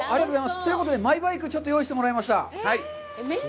ということで、マイバイクを用意してもらいました。